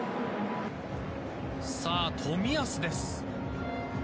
さあ、冨安です。